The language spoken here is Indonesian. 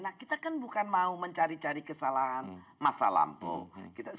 nah kita kan bukan mau mencari cari kesalahan masa lampau